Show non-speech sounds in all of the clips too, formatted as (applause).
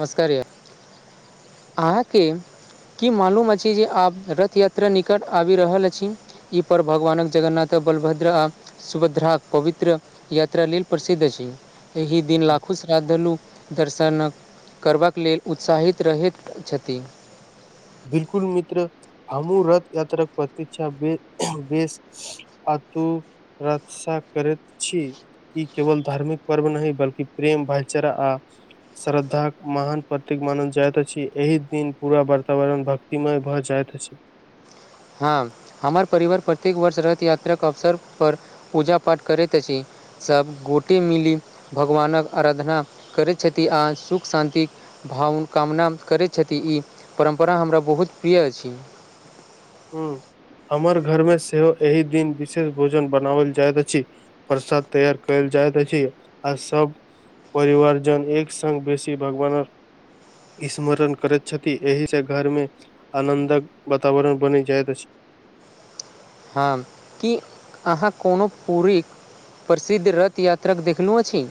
नमस्कार य अहाँके की मालूम अछि जे आब रथ यात्रा निकट आबि रहल अछि ई पर भगवानक जगन्नाथ बलभद्र आ सुभद्राक पवित्र यात्रा लेल प्रसिद्ध अछि एहि दिन लाखो श्रद्धालु दर्शनकक करबाक लेल उत्साहित रहैत छथि बिलकुल मित्र हमूँ रथ यात्रा प्रत्षा बे बेस अतु रक्षा करैत छी ई केवल धार्मिक पर्व नहि बलकि प्रेम भाईचारा आ श्रद्धाक महान प्रतीक मानल जाइत अछि एहि दिन पूरा ब वातावरण भक्तिमय भऽ जाइत अछि हँ हमर परिवार प्रत्येक वर्ष रथ यात्राक अवसर परर पूजा पाठ करैत अछि सभ गोटे मिली भगवानक आराधना करैत छथि आ सुख शान्ति भावना कामना करैत छथि ई परम्परा हमरा बहुत प्रिय अछि ह हमर घर मे सेहो एहि दिन विशेष भोजन बनाओल जाइत अछि प्रसाद तैयार कयल जाइत छै आ सब परिवार जन एक सग बेसी भगवानक स्मरण करैत छथि एहि से घर मे आनन्दक वातावरण बनी जाइत अछि हँ कि अहाँ कोनो पूरी प्रसिद्ध रथ यात्राक देखलहुँ अछि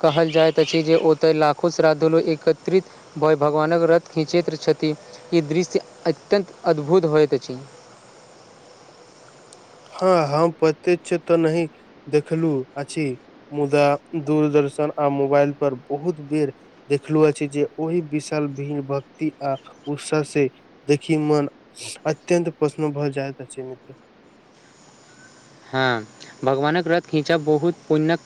कहल जाइत अछि जे ओतय लाखो श्राद्धु एकत्रित बय भगवानक रत खिंचैत छथि ई दृश्य अत्यन्त अद्भुत होइत अछि हँ हम पते च त तऽ नहि देखलू अछि मुदा दूरदर्शन आ मोबाइल पर बहुत बेर देखलु अछि जे ओहि विशाल भीन भक्ति आ उत्सा से देखि मन अत्यन्त प्रशन भऽ जाइत अछि मित्र हँ भगवानक रथ खीचा बहुत पुण्यक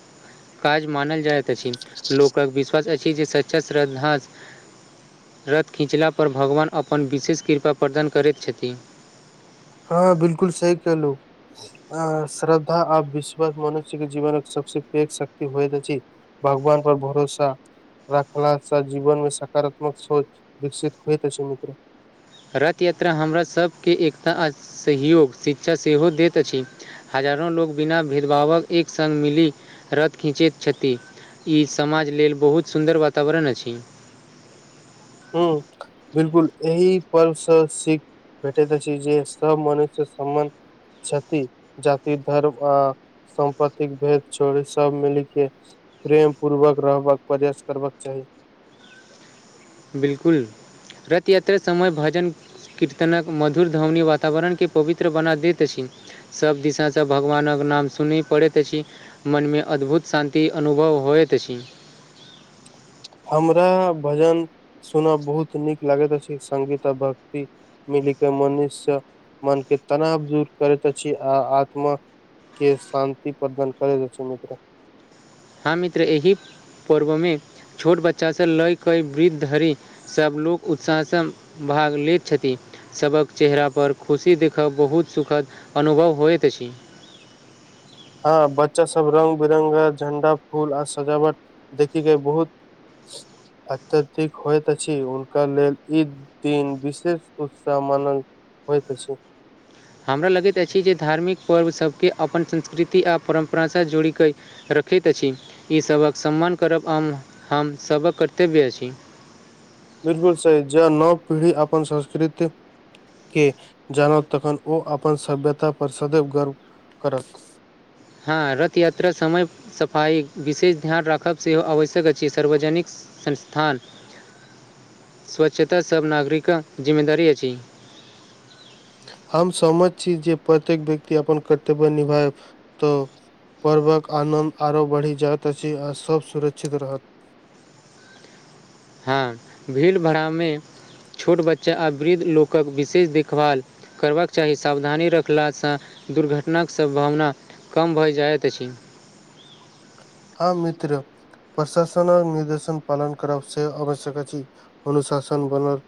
काज मानल जाइत अछि लोकक विश्वास अछि जे सच्चा श्रद्धा रथ खीँचला पर भगवान अपन विशेष कृपा प्रदान करैत छथि हँ बिलकुल सही कहलहु अ श्रद्धा आ विश्वास मनुष्य के जीवनक सबस पैघ शक्ति होयत अछि भगवान पर भरोसा रखला सा जीवन मे सकारात्मक सोच विकसित होइ त अछि मित्र रथ यात्रा हमरा सभके एकता आ सहयोग शिक्षा सेहो दैत अछि हजारो लोग बिना भेदभावक एक संग मिली रथ खीचैत छथि ई समाज लेल बहुत सुन्दर वातावरण अछि हुन बिलकुल एहि पर्वसँ सिख भेटैत अछि जे सब मनुष्य सम्मान छथि जाति धर्म अ सम्पत्तिक भेद छोड़ सब मिल के प्रेम पूर्वक रहबाक प्रयास करबाक चाही बिलकुल रथ यात्रा समय भजन कीर्तनक मधुर धवनी वातावरणके पवित्र बना दैत अछि सभ दिशाँ भगवानक नाम सुनी पड़ैत अछि मनमे अद्भुत शान्ति अनुभव होइत अछि हमरा भजन सुनब बहुत नीक लागैत अछि संगीता भक्ति मिली के मनुष्य मन के तनाव दूर करैत अछि आ आत्मा के शान्ति प्रदान करैत अछि मित्र ह मित्र एहि पर्व मे छोट बच्चा से लय क वृद्ध धरि सभ लोक उत्साहसँ भाग लेैत छथिन सभक चेहरा पर खुशी देखब बहुत सुखद अनुभव होइत अछि हँ बच्चा सब रंग बिरंगा झंडा फूल आर सजावट देखिके बहुत अत्यधिक होइत अछि हुनका लेल ई दिन विशेष उत्साह मानल होइत अछि हमरा लगैत अछि जे धार्मिक पर्व सभके अपन संस्कृति आर परम्परासँ जोड़िक कऽ रखैत अछि ईसभक सम्मान करब हम हमसभक कर्तव्य अछि बिलकुल सही ज नव पीढ़ी अपन संस्कृति के जानत तखन ओ अपन सभ्यता पर सदैव गर्व करत हँ रथ यात्रा समय सफाइ विशेष ध्यान राखब सेहो आवश्यक अछि सर्वजनिक संस्थान स्वच्छता सभ नागरिकक जिम्मेदारी अछि हम सहमत छी जे प्रत्येक व्यक्ति अपन कर्तव्य निभायब तऽ पर्वक आनन्द आरो बढ़ि जाइत अछि आ सब सुरक्षित रहत हँ भीड़ भड़ामे छोट बच्चा आ वृद्ध लोकक विशेष देखभाल करबाक चाही सावधानी रखलासँ दुर्घटनाक सम्भावना कम भए जाइत अछि हँ मित्र पशासनक निर्देशन पालन कर से आवश्यक छै अनुशासन बनल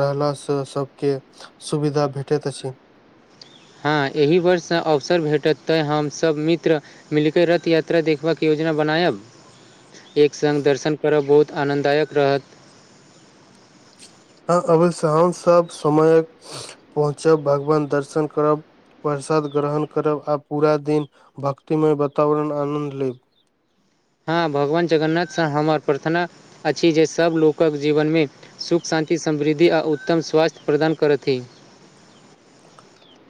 रहलास स सबके सुविधा भेटैत अछि हँ एहि वर्षसँ अवसर भेटत तैँ हमसभ मित्र मिली क रथ यात्रा देखबाके योजना बनायब एक सङ्ग दर्शन करब बहुत आनन्ददायक रहत ह अबस हमसभ समय पहुँचब भगवान दर्शन करब प्रसाद ग्रहण करब आ पूरा दिन भक्तिमय वातावरण आनन्द लेब हँ भगवान जगन्नाथसँ हमर प्रार्थना अछि जे सभ लोकक जीवनमे सुख शान्ति समृद्धि आ उत्तम स्वास्थ्य प्रदान करथि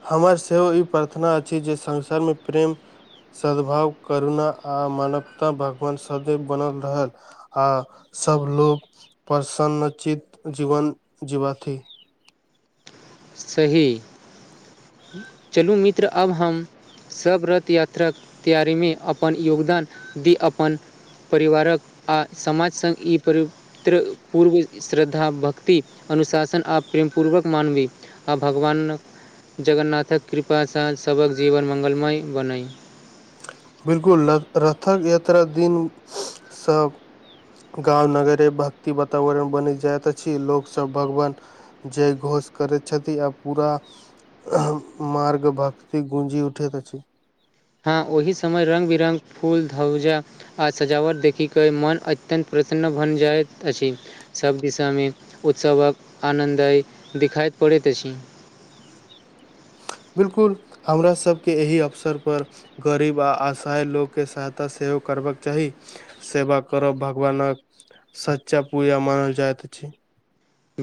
हमर सेहो ई प्रर्थना अछि जे संसारमे प्रेम सद भाव करुणा आ मानवता भगवान सदैव बनल रहल आ सब लोग प्रसन्नचित जीवन जीवाथि सही चलू मित्र आब हम सब रथ यात्राक तैयारी मे अपन योगदान दी अपन परिवारक आ समाज सङ्ग ई परि पूर्व श्रद्धा भक्ति अनुशासन आ प्रेम पूर्वक मानवी आ भगवान जगन्नाथक कृपासँ सबक जीवन मङ्गलमय बनै बिलकुल र रथक यात्रा दिन सब गाँव नगरे भक्ति वातावरण बनि जाइत अछि लोकसभ भगवान जय घोष करैत छथि आ पूरा मार्ग भगती गूंजी उठैत अछि हँ ओहि समय रंग बिरङ्ंग फूल धौजा आ सजावट देखिक के मन अत्यन्त प्रसन्न बन जाइत अछि सभ दिशामे उत्सवक आनन्द आय देख़ाइत पड़ैत अछि बिलकुल हमरासभके एहि अवसरपर गरीब आ असहाय लोक के सहायता सेहो करबाक चाही सेवा करब भगवानक सच्चा पूजा मानल जाइत अछि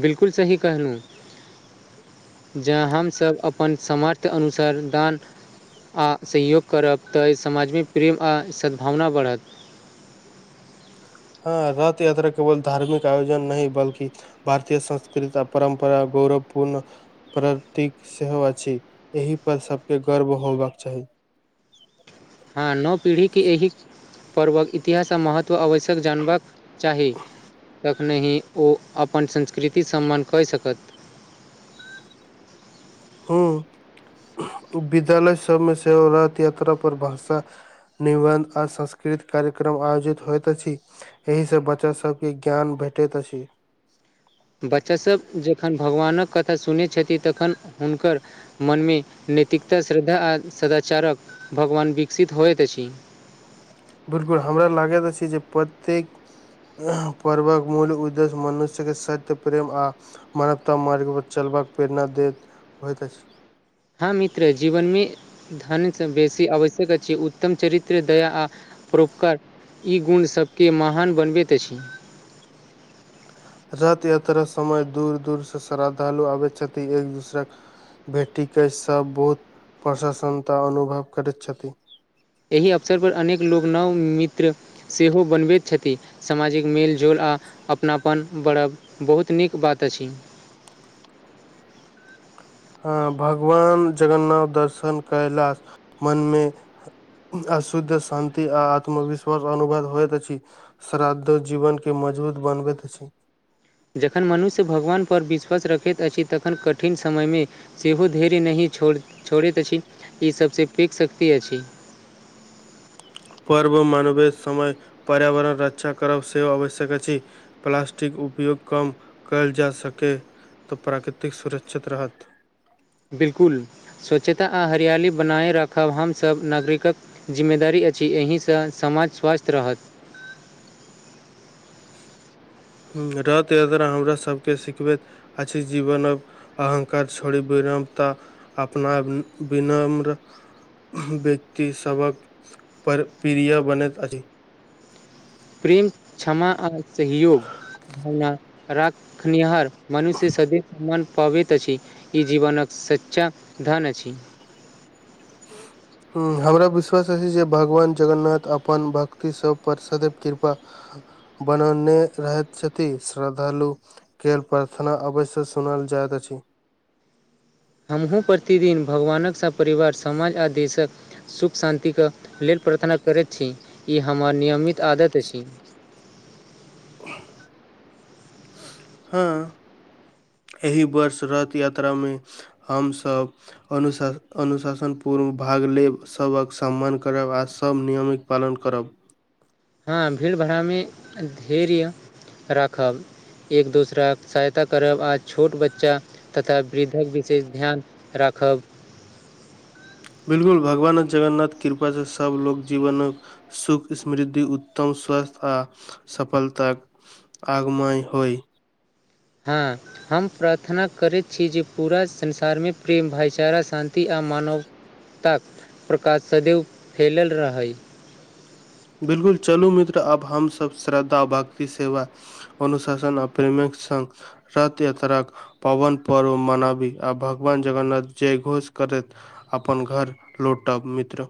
बिलकुल सही कहलू जँ हमसभ अपन सामर्थ्य अनुसार दान आ सहयोग करब तऽ समाजमे प्रेम आ सद्भावना बढ़त हँ रथ यात्रा केवल धार्मिक आयोजन नहि बल्कि भारतीय संस्कृता परम्परा गौरवपूर्ण प्रतीक सेहो अछि एहि पर सबके गर्व होबाक चाही हँ नव पीढ़ीके एहि पर्वक इतिहासके महत्व तऽ आवश्यक जानबाक चाही तखनहि ओ अपन संस्कृति सम्मान कऽ सकत ह विद्यालय सबमे सेव रथ यात्रा पर भाषा निबन्ध आ सांस्कृत कार्यक्रम आयोजित होइत अछि एहिसँ बच्चासभके ज्ञान भेटैत अछि बच्चासभ जखन भगवानक कथा सुनैत छथिन तखन हुनकर मनमे नैतिकता श्रद्धा आ सदाचारक भगवान विकसित होइत अछि बिलकुल हमरा लागैत अछि जे प्रत्येक पर्वक मूल उद्देश्य मनुष्यके सत्य प्रेम आ मानवता मार्ग पर चलबाक प्रेरणा देैत होइत अछि हँ मित्र जीवनमे धनसँ बेसी आवश्यक अछि उत्तम चरित्र दया आ प्रोपकार ई गुण सबके महान बनबैत अछि रथ यात्रा समय दूर दूर से श्रद्धालु आबै छथि एक दूसराक बेटी के सब बहुत प्रससन्नता अनुभव करैत छथिन एहि अवसरपर अनेक लोक नव मित्र सेहो बनबैत छथि सामाजिक मेलजोल आ अपनापन बरब बहुत नीक बात अछि हँ भगवान जगन्नाथ दर्शन करयलास मनमे अशुद्ध शान्ति आ आत्मविश्वास अनुभव होइत अछि श्राद्धो जीवन के मजबूत बनबैत अछि जखन मनुष्य भगवानपर विश्वास रखैत अछि तखन कठिन समयमे सेहो धेर नहिो छोड़ैत अछि ईसभसँ पीक शक्ति अछि पर्व मानवेश समय पर्यावरण रक्षा करब सेहो आवश्यक अछि प्लास्टिक उपयोग कम कयल जा सकेै तऽ प्राकृतिक सुरक्षित रहत बिलकुल स्वच्छता आ हरियाली बनाए राखब हमसभ नागरिकक जिम्मेदारी अछि एहिसँ समाज स्वस्थ रहत रथ यात्रा हमरा सभके सिखबैत आ छै जीवन अहंकार छड़ी विनमता अपना विनम्र व्यक्ति सभक प्र प्रिय बनैत अछि प्रेम क्षमा आ सहयोग रखनिहारर मनुष्य सदै सम्मान पबैत अछि ई जीवनक सच्चा धन अछि (inaudible) हमरा विश्वास अछि जे भगवान जगन्नाथ अपन भक्ति सब पर सदैव कृपा बनेने रहैथ छथि श्रद्धालु केर प्रार्थना अवश्य सुनल जाइत अछि हमहूँ प्रतिदिन भगवानक सँ परिवार समाज आ देशक सुख शान्तिके लेल प्रार्थना करैत छी ई हमर नियमित आदत अछि (inaudible) हँ एहि वर्ष रथ यात्रामे हमसभ अनुशा अनुशासन पूर्व भाग लेब सबक सम्मान करब आ सभ नियमक पालन करब हँ भीड़ भाड़ामे धैर्य राखब एक दोसराक सहायता करब आ छोट बच्चा तथा वृद्धक विशेष ध्यान राखब बिलकुल भगवान जगन्नाथ कृपा से सब लोग जीवन सुख समृद्धि उत्तम स्वस्थ आ सफलताक आगमय होइ हँ हम प्रार्थना करैत छी जे पूरा संसारमे प्रेम भाइचारा शान्ति आ मानव ताक प्रकाश सदैव फैलल रहै बिलकुल चलू मित्र आब हमसभ श्रद्धा भक्ति सेवा अनुशासन आ प्रेमक सब रथ यात्राक पावन पर्व मनाबी आ भगवान जगन्नाथ जय घोष करैत अपन घर लौटब मित्र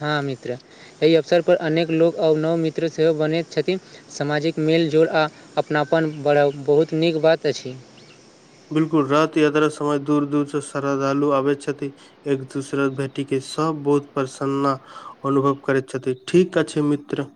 हँ मित्र एहि अवसर पर अनेक लोको और नव मित्र सेहो बनैत छथिन सामाजिक मेलजोल आ अपनापन बढ़ब बहुत नीक बात अछि बिलकुल रथ यात्रा समय दूर दूर से श्रद्धालु आबै छथि एक दोसरा भेटीक के सब बहुत प्रसन्ना अनुभव करैत छथि ठीक अछि मित्र